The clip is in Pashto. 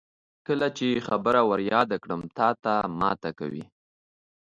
کله چې خبره ور یاده کړم تاته ماته کوي.